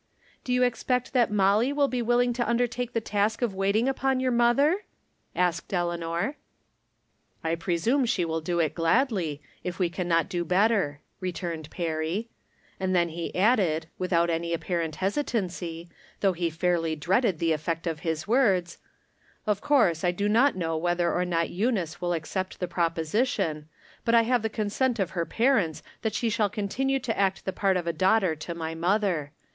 " Do you expect that Molly will be willing to undertake the task of waiting upon your mother ?" asked Eleanor. " I presume she will do it gladly, if we can not do better," returned Perry. And then he added, without any apparent hesitanc} , though he fairly dreaded the effect of his words :" Of course I do not know whether or not Eunice will accept the proposition ; but I have the consent of her par ents that she shall continue to act the part of a daughter to my mother.